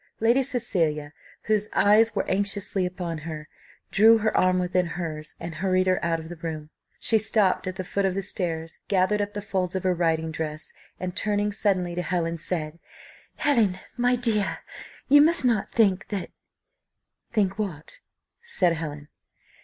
Lady Cecilia, whose eyes were anxiously upon her, drew her arm within hers, and hurried her out of the room. She stopped at the foot of the stairs, gathered up the folds of her riding dress, and turning suddenly to Helen, said, "Helen, my dear, you must not think that" "Think what?" said Helen.